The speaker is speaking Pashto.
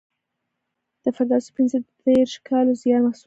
د فردوسي پنځه دېرش کالو زیار محصول دی.